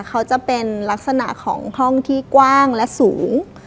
เขาจะเป็นลักษณะของห้องที่กว้างและสูง